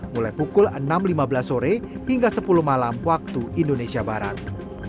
mulai pukul enam lima belas sore hingga sepuluh malam waktu indonesia barat